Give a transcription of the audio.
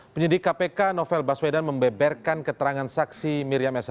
penyidik kpk novel baswedan membeberkan keterangan saksi miriam s